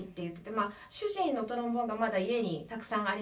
まあ主人のトロンボーンがまだ家にたくさんありまして。